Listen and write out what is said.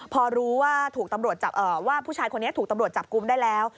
พอรู้ว่าผู้ชายคนนี้ถูกตำรวจจับกุมได้แล้ว